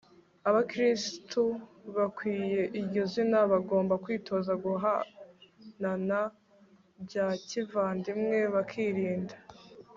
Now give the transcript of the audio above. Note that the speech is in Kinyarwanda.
abakirisitu bakwiye iryo zina, bagomba kwitoza guhanana bya kivandimwe, bakirinda